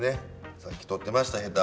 さっき取ってましたヘタ。